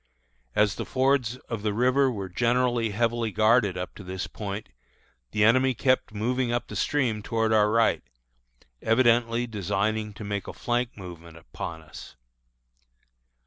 As the fords of the river were generally heavily guarded up to this point, the enemy kept moving up the stream toward our right, evidently designing to make a flank movement upon us.